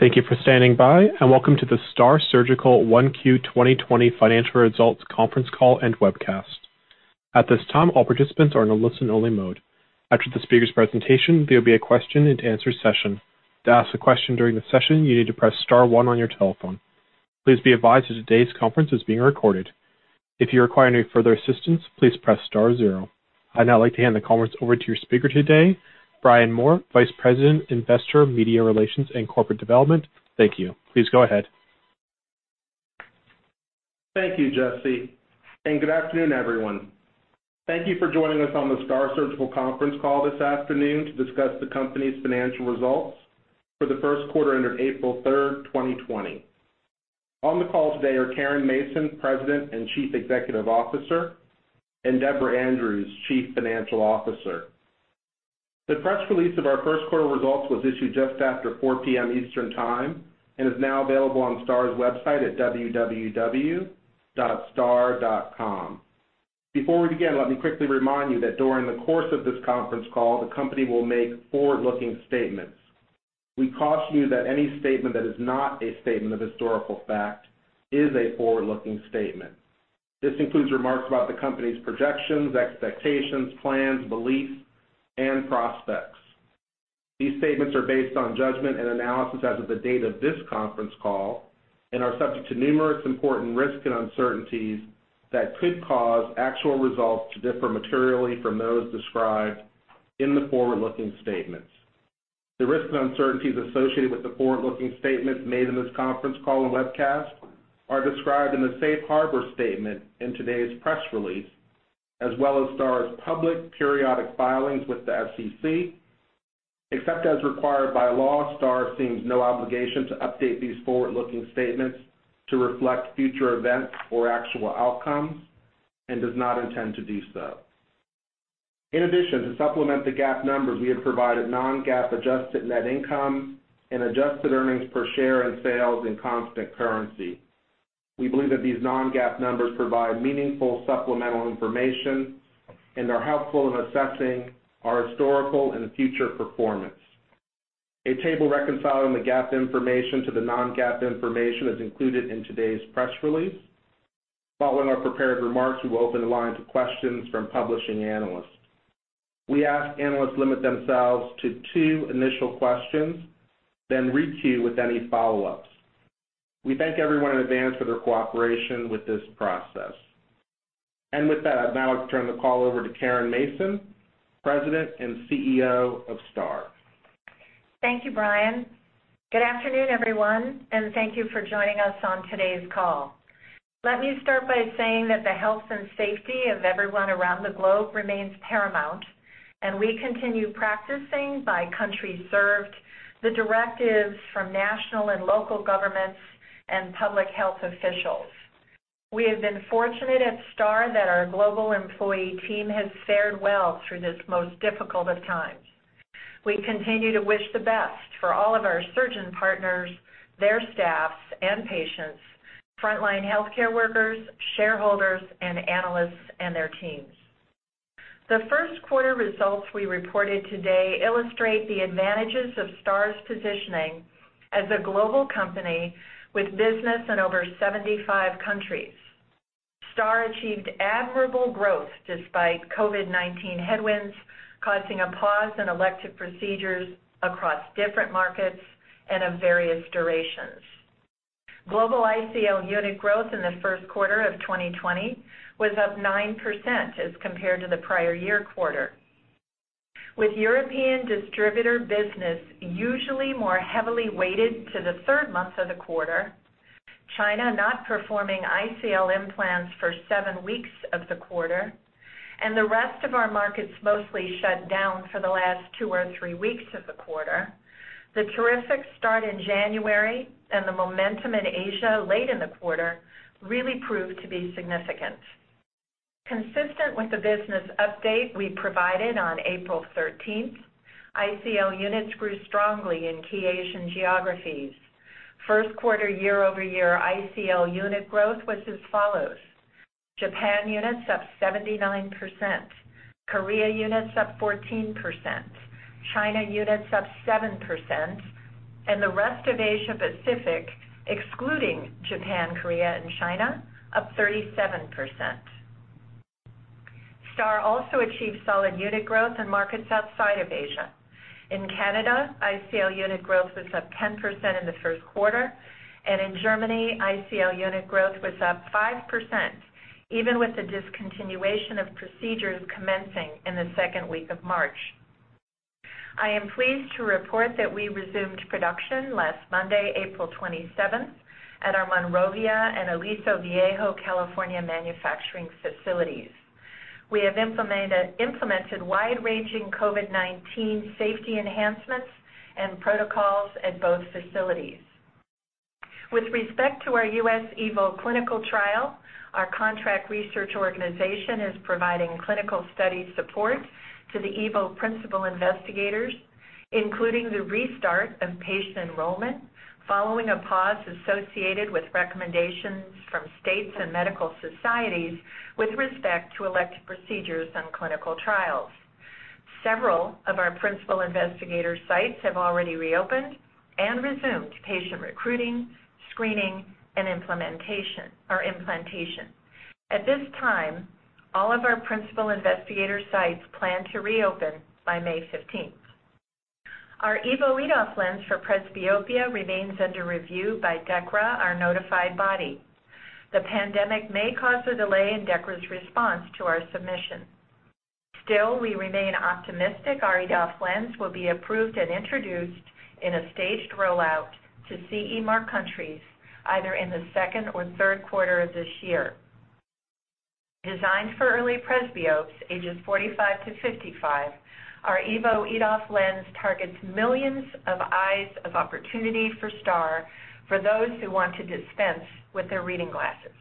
Thank you for standing by, and welcome to the STAAR Surgical 1Q 2020 financial results conference call and webcast. At this time, all participants are in a listen only mode. After the speaker's presentation, there will be a question and answer session. To ask a question during the session, you need to press star one on your telephone. Please be advised that today's conference is being recorded. If you require any further assistance, please press star zero. I'd now like to hand the conference over to your speaker today, Brian Moore, Vice President, Investor Media Relations, and Corporate Development. Thank you. Please go ahead. Thank you, Jesse. Good afternoon, everyone. Thank you for joining us on the STAAR Surgical conference call this afternoon to discuss the company's financial results for the first quarter ended April 3rd, 2020. On the call today are Caren Mason, President and Chief Executive Officer, and Deborah Andrews, Chief Financial Officer. The press release of our first quarter results was issued just after 4:00 P.M. Eastern Time, and is now available on STAAR's website at www.staar.com. Before we begin, let me quickly remind you that during the course of this conference call, the company will make forward-looking statements. We caution you that any statement that is not a statement of historical fact is a forward-looking statement. This includes remarks about the company's projections, expectations, plans, beliefs, and prospects. These statements are based on judgment and analysis as of the date of this conference call and are subject to numerous important risks and uncertainties that could cause actual results to differ materially from those described in the forward-looking statements. The risks and uncertainties associated with the forward-looking statements made in this conference call and webcast are described in the safe harbor statement in today's press release, as well as STAAR's public periodic filings with the SEC. Except as required by law, STAAR assumes no obligation to update these forward-looking statements to reflect future events or actual outcomes and does not intend to do so. In addition, to supplement the GAAP numbers, we have provided non-GAAP adjusted net income and adjusted earnings per share and sales in constant currency. We believe that these non-GAAP numbers provide meaningful supplemental information and are helpful in assessing our historical and future performance. A table reconciling the GAAP information to the non-GAAP information is included in today's press release. Following our prepared remarks, we will open the line to questions from publishing analysts. We ask analysts limit themselves to two initial questions, then re-queue with any follow-ups. We thank everyone in advance for their cooperation with this process. With that, I'd now like to turn the call over to Caren Mason, President and CEO of STAAR. Thank you, Brian. Good afternoon, everyone, thank you for joining us on today's call. Let me start by saying that the health and safety of everyone around the globe remains paramount, and we continue practicing by country served the directives from national and local governments and public health officials. We have been fortunate at STAAR that our global employee team has fared well through this most difficult of times. We continue to wish the best for all of our surgeon partners, their staffs and patients, frontline healthcare workers, shareholders, and analysts and their teams. The first quarter results we reported today illustrate the advantages of STAAR's positioning as a global company with business in over 75 countries. STAAR achieved admirable growth despite COVID-19 headwinds causing a pause in elective procedures across different markets and of various durations. Global ICL unit growth in the first quarter of 2020 was up 9% as compared to the prior year quarter. With European distributor business usually more heavily weighted to the third month of the quarter, China not performing ICL implants for seven weeks of the quarter, and the rest of our markets mostly shut down for the last two or three weeks of the quarter, the terrific start in January and the momentum in Asia late in the quarter really proved to be significant. Consistent with the business update we provided on April 13th, ICL units grew strongly in key Asian geographies. First quarter year-over-year ICL unit growth was as follows: Japan units up 79%, Korea units up 14%, China units up 7%, and the rest of Asia-Pacific, excluding Japan, Korea, and China, up 37%. STAAR also achieved solid unit growth in markets outside of Asia. In Canada, ICL unit growth was up 10% in the first quarter, and in Germany, ICL unit growth was up 5%, even with the discontinuation of procedures commencing in the second week of March. I am pleased to report that we resumed production last Monday, April 27th, at our Monrovia and Aliso Viejo, California, manufacturing facilities. We have implemented wide-ranging COVID-19 safety enhancements and protocols at both facilities. With respect to our U.S. EVO clinical trial, our contract research organization is providing clinical study support to the EVO principal investigators, including the restart of patient enrollment following a pause associated with recommendations from states and medical societies with respect to elective procedures on clinical trials. Several of our principal investigator sites have already reopened and resumed patient recruiting, screening, and implementation or implantation. At this time, all of our principal investigator sites plan to reopen by May 15th. Our EVO EDOF lens for presbyopia remains under review by DEKRA, our notified body. The pandemic may cause a delay in DEKRA's response to our submission. Still, we remain optimistic our EDOF lens will be approved and introduced in a staged rollout to CE Mark countries, either in the second or third quarter of this year. Designed for early presbyopes, ages 45 to 55, our EVO EDOF lens targets millions of eyes of opportunity for STAAR for those who want to dispense with their reading glasses.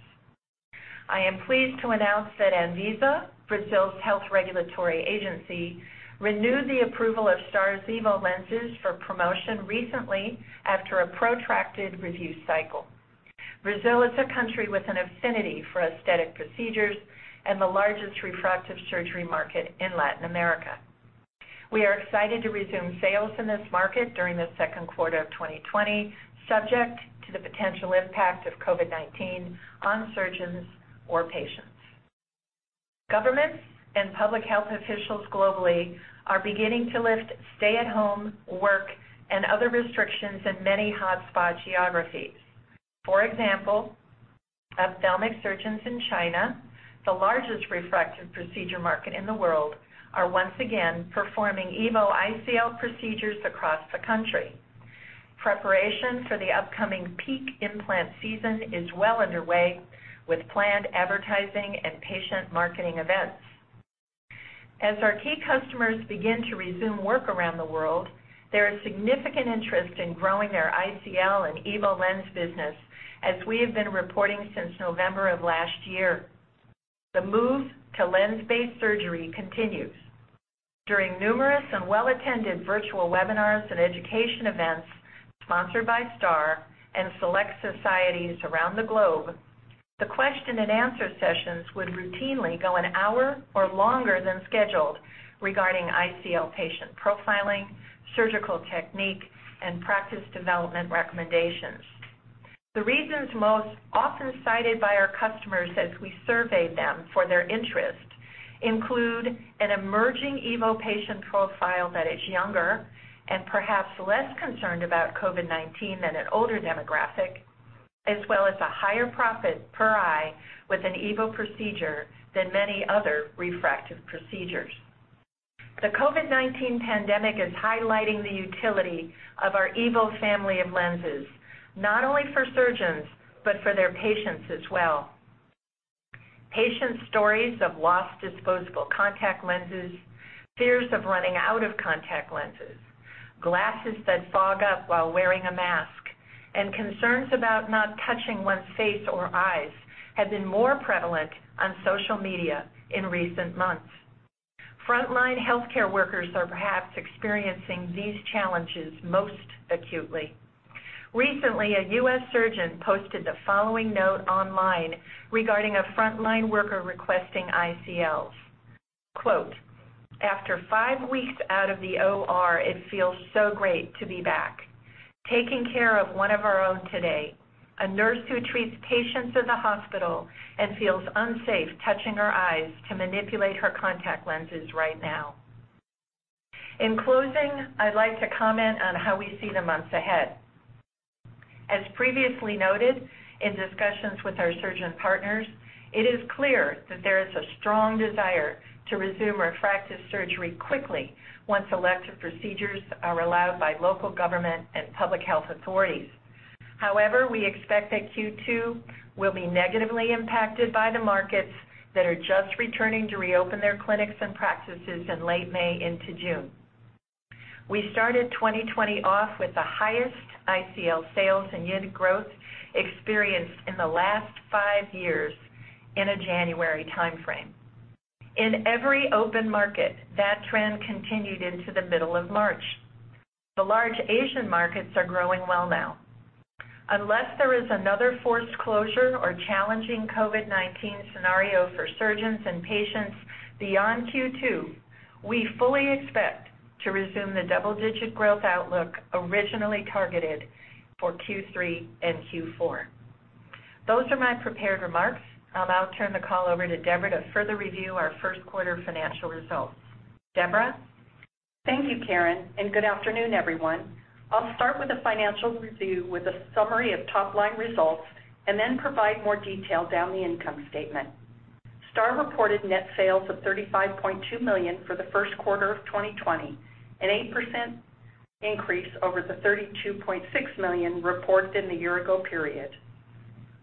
I am pleased to announce that Anvisa, Brazil's health regulatory agency, renewed the approval of STAAR's EVO lenses for promotion recently after a protracted review cycle. Brazil is a country with an affinity for aesthetic procedures and the largest refractive surgery market in Latin America. We are excited to resume sales in this market during the second quarter of 2020, subject to the potential impact of COVID-19 on surgeons or patients. Governments and public health officials globally are beginning to lift stay-at-home work and other restrictions in many hotspot geographies. For example, ophthalmic surgeons in China, the largest refractive procedure market in the world, are once again performing EVO ICL procedures across the country. Preparation for the upcoming peak implant season is well underway, with planned advertising and patient marketing events. As our key customers begin to resume work around the world, there is significant interest in growing our ICL and EVO lens business, as we have been reporting since November of last year. The move to lens-based surgery continues. During numerous and well-attended virtual webinars and education events sponsored by STAAR and select societies around the globe, the question and answer sessions would routinely go an hour or longer than scheduled regarding ICL patient profiling, surgical technique, and practice development recommendations. The reasons most often cited by our customers as we surveyed them for their interest include an emerging EVO patient profile that is younger and perhaps less concerned about COVID-19 than an older demographic, as well as a higher profit per eye with an EVO procedure than many other refractive procedures. The COVID-19 pandemic is highlighting the utility of our EVO family of lenses, not only for surgeons but for their patients as well. Patient stories of lost disposable contact lenses, fears of running out of contact lenses, glasses that fog up while wearing a mask, and concerns about not touching one's face or eyes have been more prevalent on social media in recent months. Frontline healthcare workers are perhaps experiencing these challenges most acutely. Recently, a U.S. surgeon posted the following note online regarding a frontline worker requesting ICLs. Quote, "After five weeks out of the OR, it feels so great to be back. Taking care of one of our own today, a nurse who treats patients in the hospital and feels unsafe touching her eyes to manipulate her contact lenses right now." In closing, I'd like to comment on how we see the months ahead. As previously noted in discussions with our surgeon partners, it is clear that there is a strong desire to resume refractive surgery quickly once elective procedures are allowed by local government and public health authorities. However, we expect that Q2 will be negatively impacted by the markets that are just returning to reopen their clinics and practices in late May into June. We started 2020 off with the highest ICL sales and unit growth experienced in the last five years in a January timeframe. In every open market, that trend continued into the middle of March. The large Asian markets are growing well now. Unless there is another forced closure or challenging COVID-19 scenario for surgeons and patients beyond Q2, we fully expect to resume the double-digit growth outlook originally targeted for Q3 and Q4. Those are my prepared remarks. I'll now turn the call over to Deborah to further review our first quarter financial results. Deborah? Thank you, Caren, and good afternoon, everyone. I'll start with a financial review with a summary of top-line results and then provide more detail down the income statement. STAAR reported net sales of $35.2 million for the first quarter of 2020, an 8% increase over the $32.6 million reported in the year-ago period.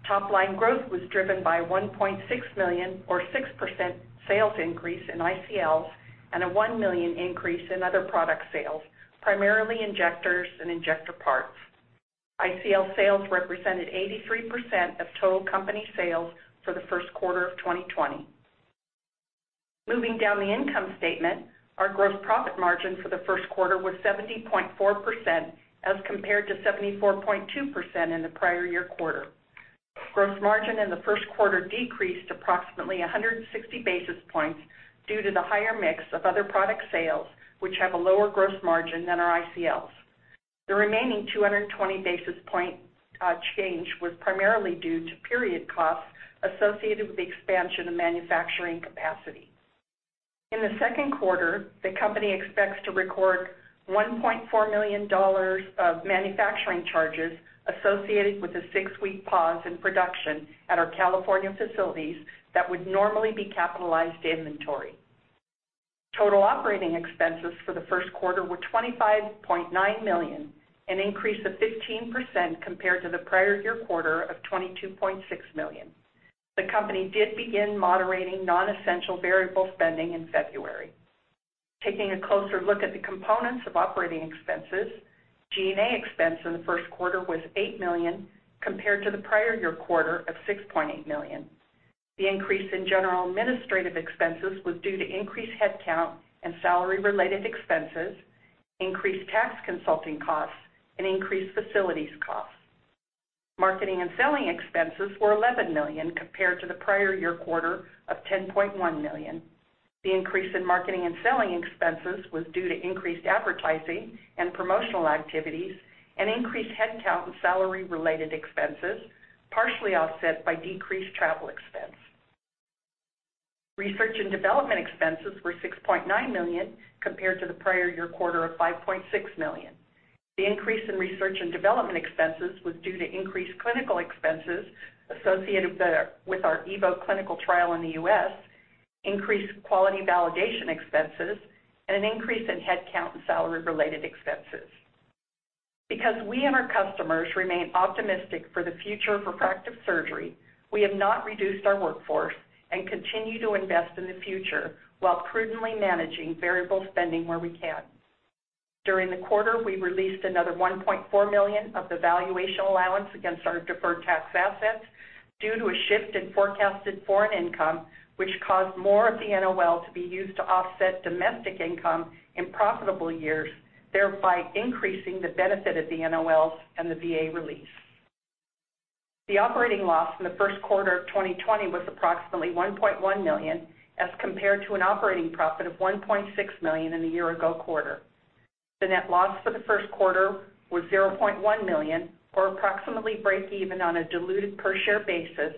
Top-line growth was driven by $1.6 million or 6% sales increase in ICLs and a $1 million increase in other product sales, primarily injectors and injector parts. ICL sales represented 83% of total company sales for the first quarter of 2020. Moving down the income statement, our gross profit margin for the first quarter was 70.4% as compared to 74.2% in the prior year quarter. Gross margin in the first quarter decreased approximately 160 basis points due to the higher mix of other product sales, which have a lower gross margin than our ICLs. The remaining 220 basis point change was primarily due to period costs associated with the expansion of manufacturing capacity. In the second quarter, the company expects to record $1.4 million of manufacturing charges associated with the six-week pause in production at our California facilities that would normally be capitalized to inventory. Total operating expenses for the first quarter were $25.9 million, an increase of 15% compared to the prior year quarter of $22.6 million. The company did begin moderating non-essential variable spending in February. Taking a closer look at the components of operating expenses, G&A expense in the first quarter was $8 million compared to the prior year quarter of $6.8 million. The increase in general administrative expenses was due to increased headcount and salary related expenses, increased tax consulting costs, and increased facilities costs. Marketing and selling expenses were $11 million compared to the prior year quarter of $10.1 million. The increase in marketing and selling expenses was due to increased advertising and promotional activities and increased headcount and salary related expenses, partially offset by decreased travel expense. Research and development expenses were $6.9 million, compared to the prior year quarter of $5.6 million. The increase in research and development expenses was due to increased clinical expenses associated with our EVO clinical trial in the U.S., increased quality validation expenses, and an increase in headcount and salary related expenses. Because we and our customers remain optimistic for the future of refractive surgery, we have not reduced our workforce and continue to invest in the future while prudently managing variable spending where we can. During the quarter, we released another $1.4 million of the valuation allowance against our deferred tax assets due to a shift in forecasted foreign income, which caused more of the NOL to be used to offset domestic income in profitable years, thereby increasing the benefit of the NOLs and the VA release. The operating loss in the first quarter of 2020 was approximately $1.1 million as compared to an operating profit of $1.6 million in the year ago quarter. The net loss for the first quarter was $0.1 million, or approximately breakeven on a diluted per share basis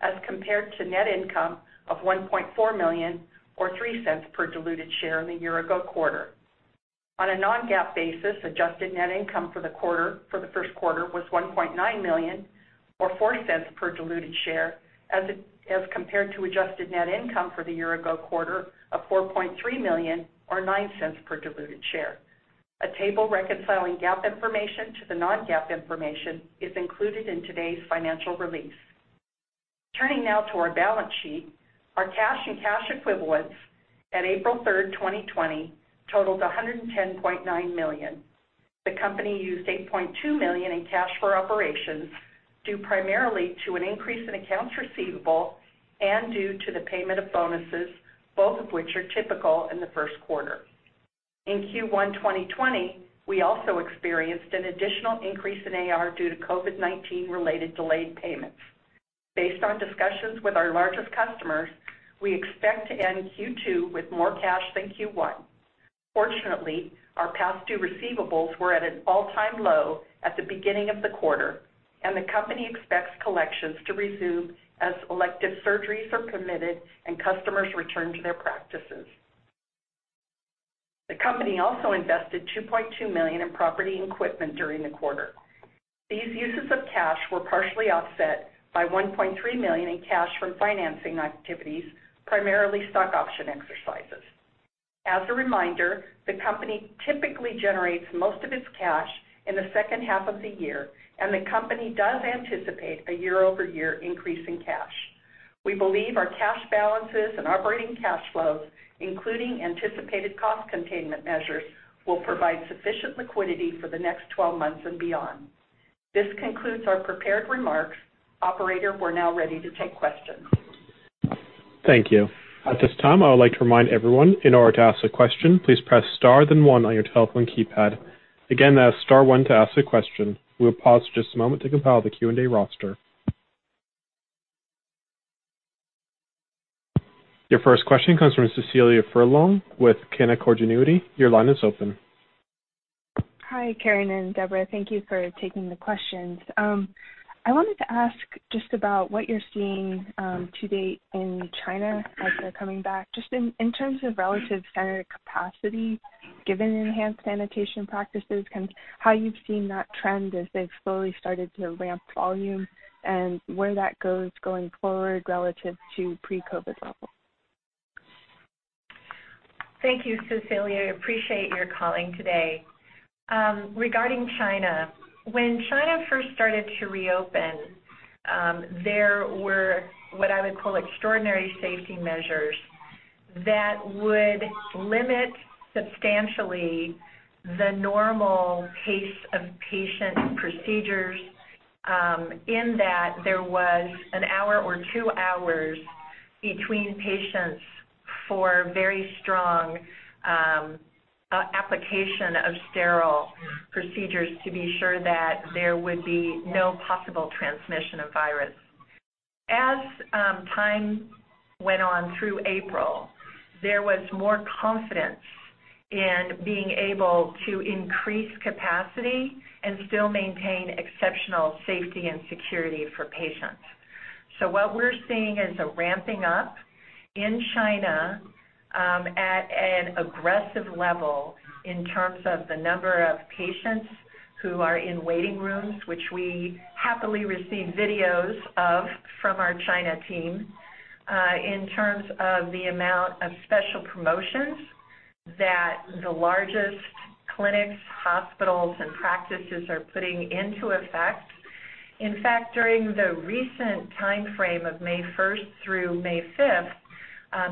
as compared to net income of $1.4 million or $0.03 per diluted share in the year ago quarter. On a non-GAAP basis, adjusted net income for the first quarter was $1.9 million or $0.04 per diluted share as compared to adjusted net income for the year-ago quarter of $4.3 million or $0.09 per diluted share. A table reconciling GAAP information to the non-GAAP information is included in today's financial release. Turning now to our balance sheet, our cash and cash equivalents at April 3, 2020, totaled $110.9 million. The company used $8.2 million in cash for operations due primarily to an increase in accounts receivable and due to the payment of bonuses, both of which are typical in the first quarter. In Q1 2020, we also experienced an additional increase in AR due to COVID-19 related delayed payments. Based on discussions with our largest customers, we expect to end Q2 with more cash than Q1. Fortunately, our past due receivables were at an all-time low at the beginning of the quarter, and the company expects collections to resume as elective surgeries are permitted and customers return to their practices. The company also invested $2.2 million in property and equipment during the quarter. These uses of cash were partially offset by $1.3 million in cash from financing activities, primarily stock option exercises. As a reminder, the company typically generates most of its cash in the second half of the year, and the company does anticipate a year-over-year increase in cash. We believe our cash balances and operating cash flows, including anticipated cost containment measures, will provide sufficient liquidity for the next 12 months and beyond. This concludes our prepared remarks. Operator, we're now ready to take questions. Thank you. At this time, I would like to remind everyone, in order to ask a question, please press star then one on your telephone keypad. Again, that is star one to ask a question. We will pause for just a moment to compile the Q&A roster. Your first question comes from Cecilia Furlong with Canaccord Genuity. Your line is open. Hi, Caren and Deborah. Thank you for taking the questions. I wanted to ask just about what you're seeing to date in China as they're coming back, just in terms of relative standard capacity given enhanced sanitation practices, how you've seen that trend as they've slowly started to ramp volume and where that goes going forward relative to pre-COVID-19 levels. Thank you, Cecilia. Appreciate your calling today. Regarding China, when China first started to reopen, there were what I would call extraordinary safety measures that would limit substantially the normal pace of patient procedures in that there was an hour or two hours between patients For very strong application of sterile procedures to be sure that there would be no possible transmission of virus. As time went on through April, there was more confidence in being able to increase capacity and still maintain exceptional safety and security for patients. What we're seeing is a ramping up in China at an aggressive level in terms of the number of patients who are in waiting rooms, which we happily receive videos of from our China team, in terms of the amount of special promotions that the largest clinics, hospitals, and practices are putting into effect. During the recent timeframe of May 1st through May 5th,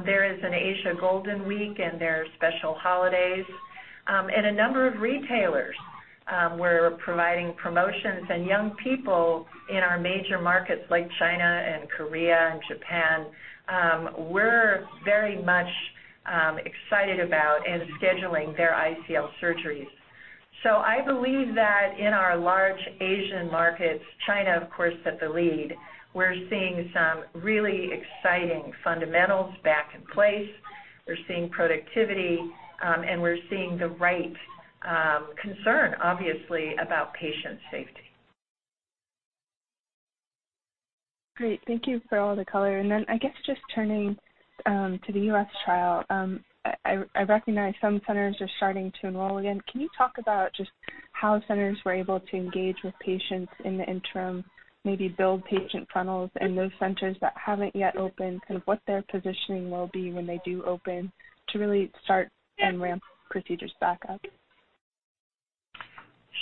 there is an Asia Golden Week and there are special holidays. A number of retailers were providing promotions, and young people in our major markets like China and Korea and Japan were very much excited about and scheduling their ICL surgeries. I believe that in our large Asian markets, China, of course, set the lead. We're seeing some really exciting fundamentals back in place. We're seeing productivity, and we're seeing the right concern, obviously, about patient safety. Great. Thank you for all the color. I guess just turning to the U.S. trial, I recognize some centers are starting to enroll again. Can you talk about just how centers were able to engage with patients in the interim, maybe build patient funnels in those centers that haven't yet opened, kind of what their positioning will be when they do open to really start and ramp procedures back up?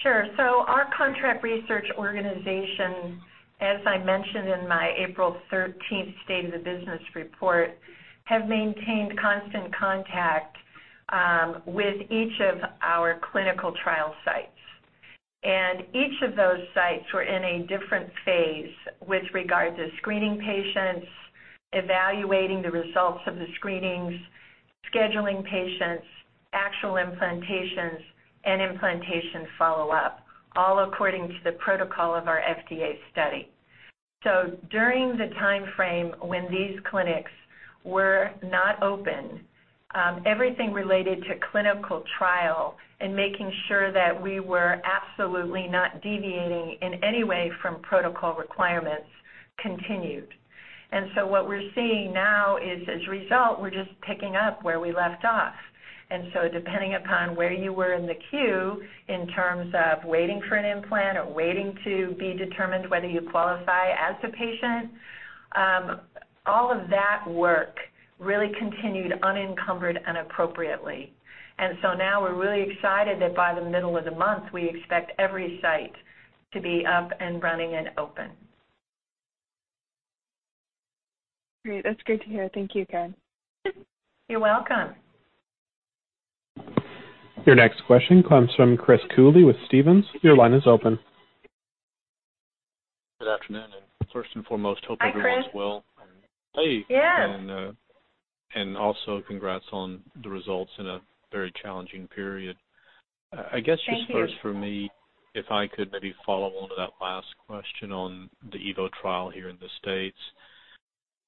Sure, so our contract research organization, as I mentioned in my April 13th State of the Business report, have maintained constant contact with each of our clinical trial sites. Each of those sites were in a different phase with regard to screening patients, evaluating the results of the screenings, scheduling patients, actual implantations, and implantation follow-up, all according to the protocol of our FDA study. During the timeframe when these clinics were not open, everything related to clinical trial and making sure that we were absolutely not deviating in any way from protocol requirements continued. What we're seeing now is, as a result, we're just picking up where we left off. Depending upon where you were in the queue, in terms of waiting for an implant or waiting to be determined whether you qualify as a patient, all of that work really continued unencumbered and appropriately. Now we're really excited that by the middle of the month, we expect every site to be up and running and open. Great. That's great to hear. Thank you, Caren. You're welcome. Your next question comes from Chris Cooley with Stephens. Your line is open. Good afternoon, first and foremost. Hi, Chris. hope everyone's well. hey. Yeah. Also congrats on the results in a very challenging period. Thank you. I guess just first for me, if I could maybe follow on to that last question on the EVO trial here in the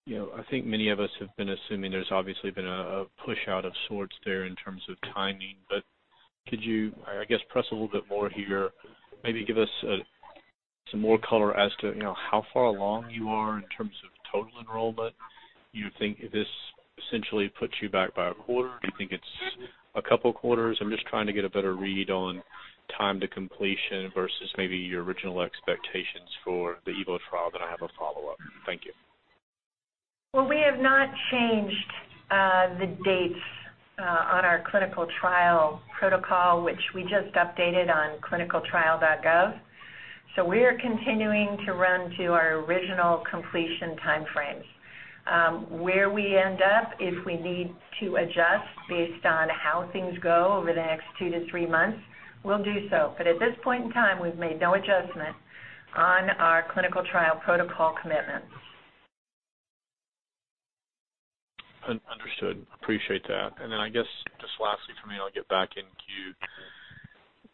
U.S. I think many of us have been assuming there's obviously been a push out of sorts there in terms of timing. Could you, I guess, press a little bit more here, maybe give us some more color as to how far along you are in terms of total enrollment? Do you think this essentially puts you back by a quarter? Do you think it's a couple of quarters? I'm just trying to get a better read on time to completion versus maybe your original expectations for the EVO trial. I have a follow-up. Thank you. Well, we have not changed the dates on our clinical trial protocol, which we just updated on ClinicalTrials.gov. So we are continuing to run to our original completion timeframes. Where we end up, if we need to adjust based on how things go over the next two to three months, we'll do so. But at this point in time, we've made no adjustment on our clinical trial protocol commitments. Understood. Appreciate that. I guess, just lastly from me, and I'll get back in queue.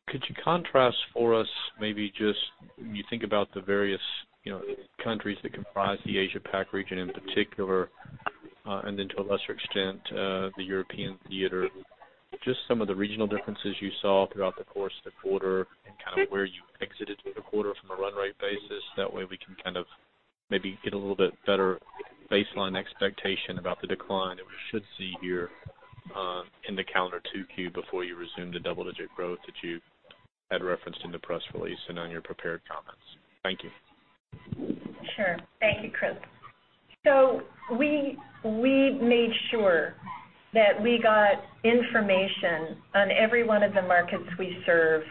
Could you contrast for us, maybe just when you think about the various countries that comprise the Asia Pac region in particular, and then to a lesser extent, the European theater, just some of the regional differences you saw throughout the course of the quarter and kind of where you exited the quarter from a run rate basis? That way, we can kind of maybe get a little bit better baseline expectation about the decline that we should see here in the calendar 2Q before you resume the double-digit growth that you had referenced in the press release and on your prepared comments. Thank you. Thank you, Chris. We made sure that we got information on every one of the markets we serve,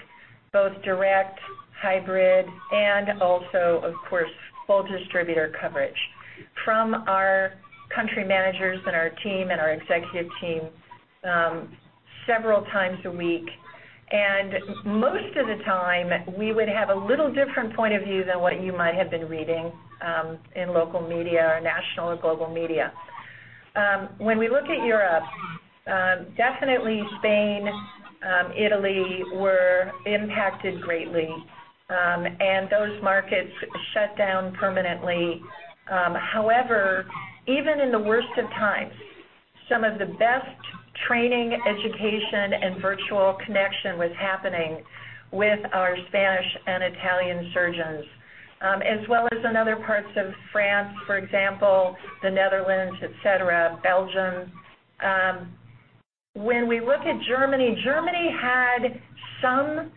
both direct, hybrid, and also, of course, full distributor coverage from our country managers and our team and our executive team several times a week. Most of the time, we would have a little different point of view than what you might have been reading in local media or national or global media. We look at Europe, definitely Spain, Italy were impacted greatly, and those markets shut down permanently. However, even in the worst of times, some of the best training, education, and virtual connection was happening with our Spanish and Italian surgeons, as well as in other parts of France, for example, the Netherlands, et cetera, Belgium. We look at Germany had some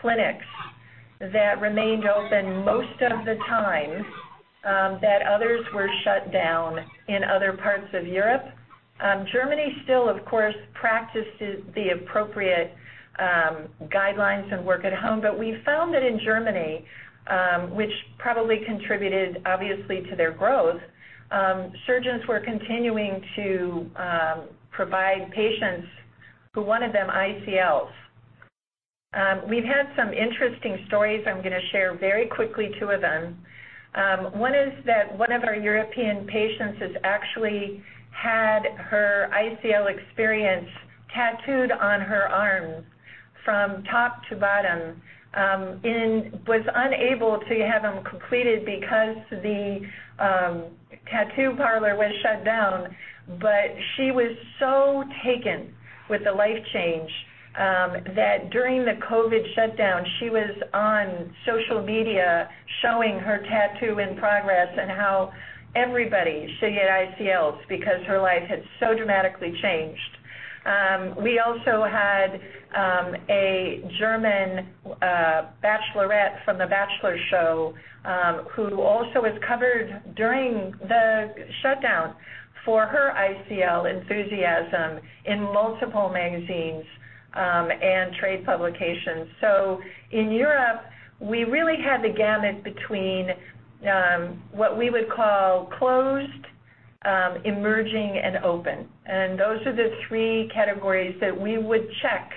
clinics that remained open most of the time, that others were shut down in other parts of Europe. Germany still, of course, practices the appropriate guidelines and work at home. We found that in Germany, which probably contributed, obviously, to their growth, surgeons were continuing to provide patients who wanted them ICLs. We've had some interesting stories. I'm going to share very quickly two of them. One is that one of our European patients has actually had her ICL experience tattooed on her arm from top to bottom, and was unable to have them completed because the tattoo parlor was shut down. She was so taken with the life change that during the COVID shutdown, she was on social media showing her tattoo in progress and how everybody should get ICLs because her life had so dramatically changed. We also had a German bachelorette from "The Bachelor" show, who also was covered during the shutdown for her ICL enthusiasm in multiple magazines and trade publications. In Europe, we really had the gamut between what we would call closed, emerging, and open. Those are the three categories that we would check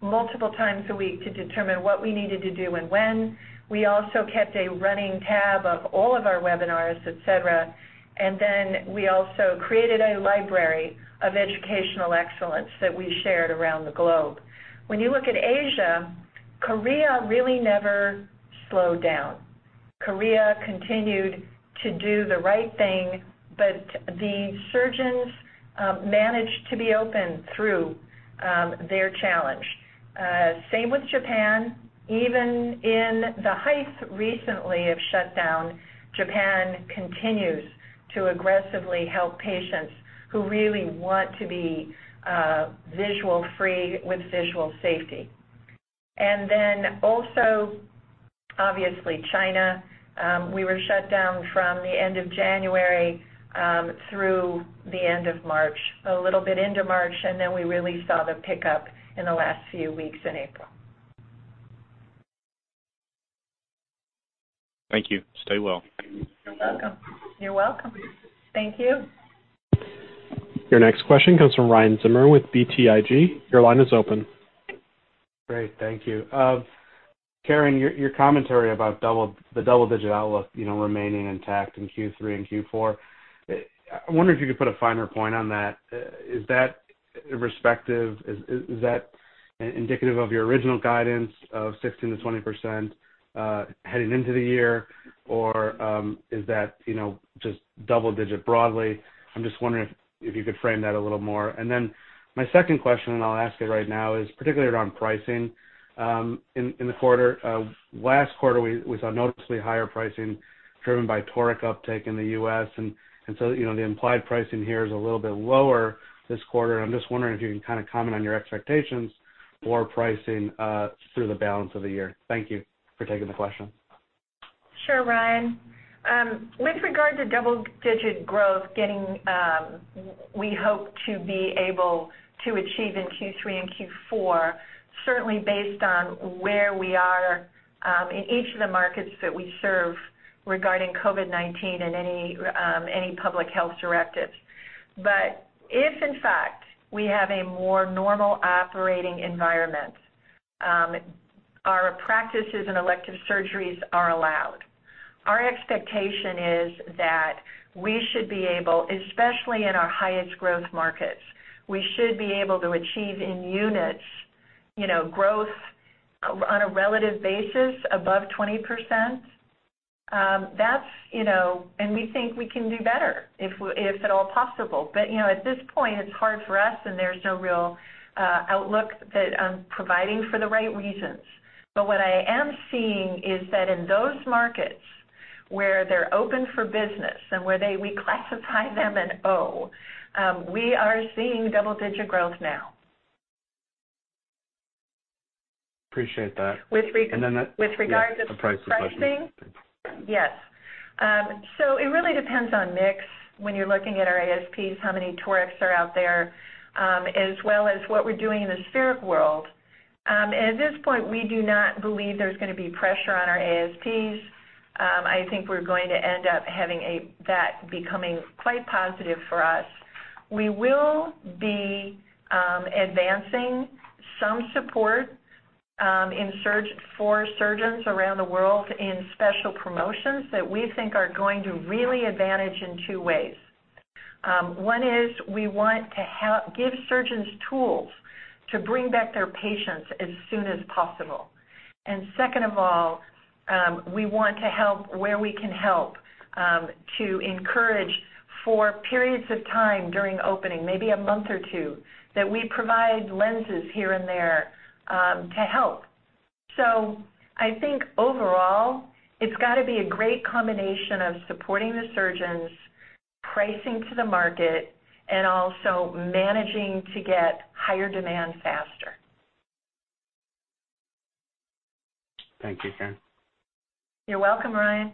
multiple times a week to determine what we needed to do and when. We also kept a running tab of all of our webinars, et cetera, and then we also created a library of educational excellence that we shared around the globe. When you look at Asia, Korea really never slowed down. Korea continued to do the right thing, but the surgeons managed to be open through their challenge. Same with Japan. Even in the height, recently, of shutdown, Japan continues to aggressively help patients who really want to be visual free with visual safety. Then also, obviously, China. We were shut down from the end of January, through the end of March, a little bit into March, and then we really saw the pickup in the last few weeks in April. Thank you. Stay well. You're welcome. Thank you. Your next question comes from Ryan Zimmerman with BTIG. Your line is open. Great. Thank you. Caren, your commentary about the double-digit outlook remaining intact in Q3 and Q4, I wonder if you could put a finer point on that. Is that respective? Is that indicative of your original guidance of 16%-20% heading into the year, or is that just double digit broadly? I'm just wondering if you could frame that a little more. My second question, I'll ask it right now, is particularly around pricing in the quarter. Last quarter, we saw noticeably higher pricing driven by toric uptake in the U.S.. The implied pricing here is a little bit lower this quarter. I'm just wondering if you can kind of comment on your expectations for pricing through the balance of the year. Thank you for taking the question. Sure, Ryan. With regard to double-digit growth, we hope to be able to achieve in Q3 and Q4, certainly based on where we are in each of the markets that we serve regarding COVID-19 and any public health directives. If, in fact, we have a more normal operating environment, our practices and elective surgeries are allowed. Our expectation is that we should be able, especially in our highest growth markets, we should be able to achieve in units growth on a relative basis above 20%. We think we can do better, if at all possible. At this point, it's hard for us, and there's no real outlook that I'm providing for the right reasons. What I am seeing is that in those markets where they're open for business and where we classify them in O, we are seeing double-digit growth now. Appreciate that. With regard to- And then the- With regard to- Yeah pricing. The pricing question. Thanks. Yes. It really depends on mix when you're looking at our ASPs, how many torics are out there, as well as what we're doing in the spheric world. At this point, we do not believe there's going to be pressure on our ASPs. I think we're going to end up having that becoming quite positive for us. We will be advancing some support for surgeons around the world in special promotions that we think are going to really advantage in two ways. One is we want to give surgeons tools to bring back their patients as soon as possible. Second of all, we want to help where we can help to encourage for periods of time during opening, maybe a month or two, that we provide lenses here and there to help. I think overall, it's got to be a great combination of supporting the surgeons, pricing to the market, and also managing to get higher demand faster. Thank you, Caren. You're welcome, Ryan.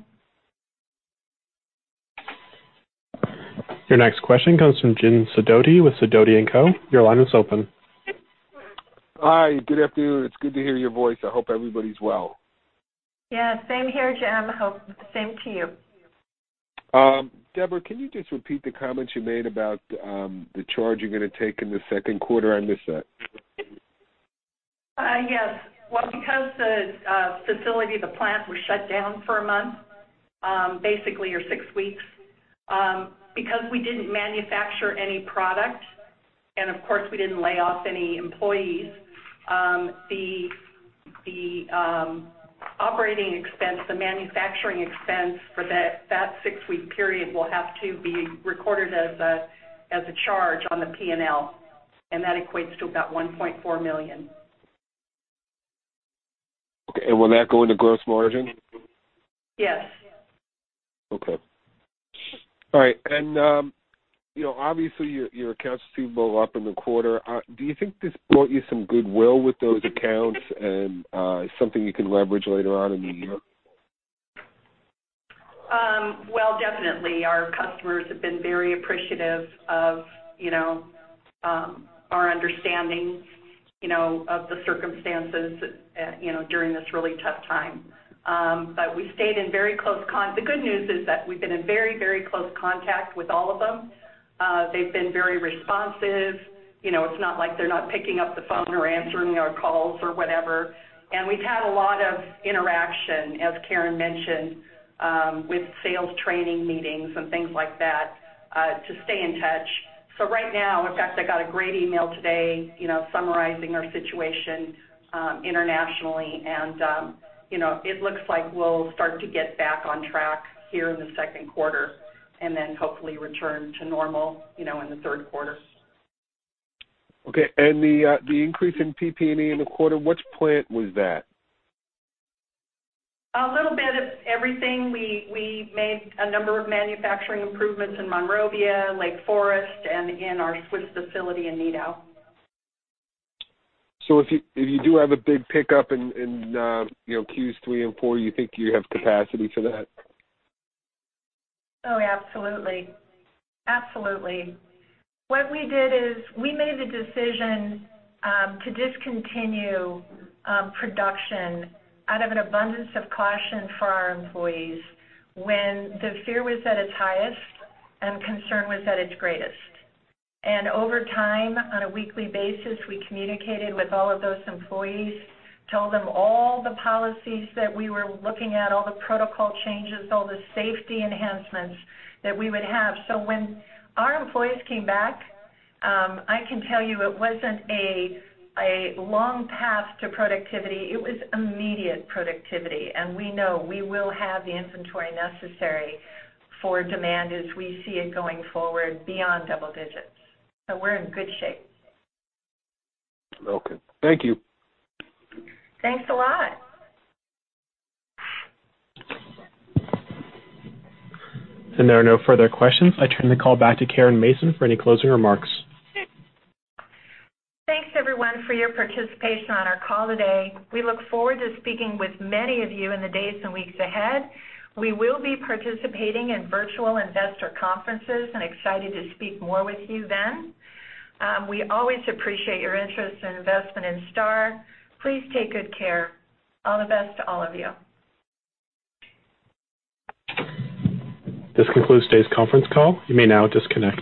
Your next question comes from James Sidoti with Sidoti & Co. Your line is open. Hi, good afternoon. It's good to hear your voice. I hope everybody's well. Yeah, same here, James. Same to you. Deborah, can you just repeat the comments you made about the charge you're going to take in the second quarter? I missed that. Yes. Well, because the facility, the plant, was shut down for a month, basically, or six weeks, because we didn't manufacture any product, and of course, we didn't lay off any employees, the operating expense, the manufacturing expense for that six-week period will have to be recorded as a charge on the P&L, and that equates to about $1.4 million. Okay, will that go into gross margin? Yes. Okay. All right. Obviously, your accounts receivable are up in the quarter. Do you think this bought you some goodwill with those accounts and something you can leverage later on in the year? Well, definitely. Our customers have been very appreciative of our understanding of the circumstances during this really tough time. The good news is that we've been in very close contact with all of them. They've been very responsive. It's not like they're not picking up the phone or answering our calls or whatever. We've had a lot of interaction, as Caren mentioned, with sales training meetings and things like that to stay in touch. Right now, in fact, I got a great email today summarizing our situation internationally, and it looks like we'll start to get back on track here in the second quarter and then hopefully return to normal in the third quarter. Okay. The increase in PP&E in the quarter, which plant was that? A little bit of everything. We made a number of manufacturing improvements in Monrovia, Lake Forest, and in our Swiss facility in Nidau. If you do have a big pickup in Q3 and four, you think you have capacity for that? Absolutely. What we did is we made the decision to discontinue production out of an abundance of caution for our employees when the fear was at its highest and concern was at its greatest. Over time, on a weekly basis, we communicated with all of those employees, told them all the policies that we were looking at, all the protocol changes, all the safety enhancements that we would have. When our employees came back, I can tell you it wasn't a long path to productivity. It was immediate productivity. We know we will have the inventory necessary for demand as we see it going forward beyond double digits. We're in good shape. Okay. Thank you. Thanks a lot. There are no further questions. I turn the call back to Caren Mason for any closing remarks. Thanks everyone for your participation on our call today. We look forward to speaking with many of you in the days and weeks ahead. We will be participating in virtual investor conferences and excited to speak more with you then. We always appreciate your interest and investment in STAAR. Please take good care. All the best to all of you. This concludes today's conference call. You may now disconnect.